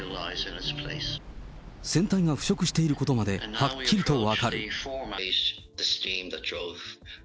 船体が腐食していることまではっきりと分かる。